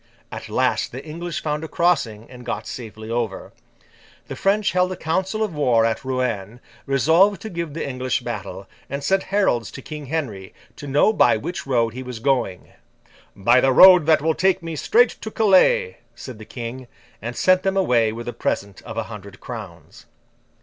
At last the English found a crossing and got safely over. The French held a council of war at Rouen, resolved to give the English battle, and sent heralds to King Henry to know by which road he was going. 'By the road that will take me straight to Calais!' said the King, and sent them away with a present of a hundred crowns.